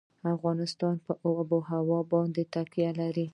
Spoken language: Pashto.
افغانستان په آب وهوا باندې تکیه لري.